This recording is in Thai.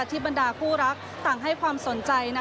บรรดาคู่รักต่างให้ความสนใจ